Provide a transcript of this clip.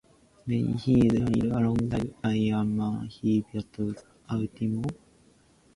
When he is freed, alongside Iron Man he battles Ultimo.